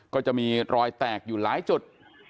ก็จะมีรอยแตกอยู่หลายจุด